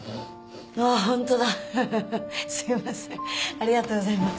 ありがとうございます。